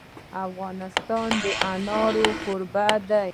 افغانستان د انار کوربه دی.